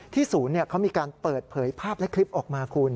ศูนย์เขามีการเปิดเผยภาพและคลิปออกมาคุณ